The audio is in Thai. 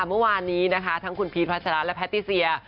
เมื่อวานนี้นะคะทั้งคุณพีชพัชราและแพทติเซีย